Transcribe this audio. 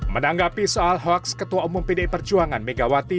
menanggapi soal hoaks ketua umum pdi perjuangan megawati